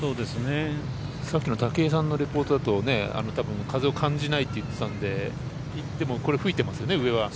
さっきの武井さんのリポートだとたぶん風を感じないって言ってたんでいってもこれ、吹いてますよね、上は。